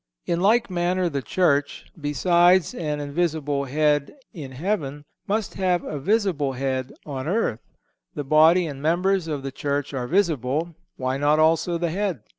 In like manner the Church, besides an invisible Head in heaven, must have a visible head on earth. The body and members of the Church are visible; why not also the Head?